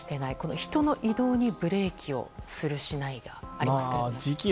人の移動にブレーキをする、しないがありますが。